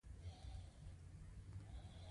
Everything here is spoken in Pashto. • سپین غاښونه د ښې پاملرنې نښه ده.